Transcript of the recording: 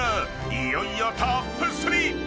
いよいよトップ３！］